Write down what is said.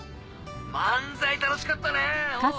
漫才楽しかったねうん。